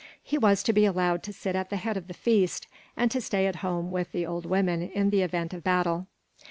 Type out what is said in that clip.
He was to be allowed to sit at the head of the feast, and to stay at home with the old women in the event of battle.